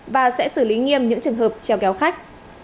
và sẽ xử lý nghiêm những trường hợp treo kéo khách